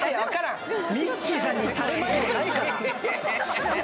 ミッキーさんに頼まれてないから。